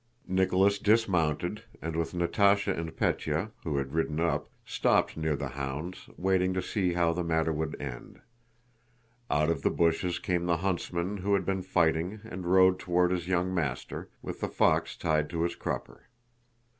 Nicholas dismounted, and with Natásha and Pétya, who had ridden up, stopped near the hounds, waiting to see how the matter would end. Out of the bushes came the huntsman who had been fighting and rode toward his young master, with the fox tied to his crupper.